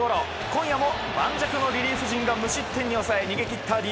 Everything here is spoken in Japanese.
今夜も盤石のリリーフ陣が無失点に抑え逃げ切ったＤｅＮＡ。